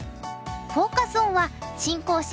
フォーカス・オンは新講師